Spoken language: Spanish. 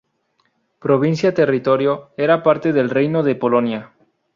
Provincia territorio era parte del Reino de Polonia.